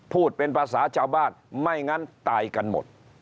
พูดเป็นภาษาชาวบ้านไม่งั้นตายกันหมด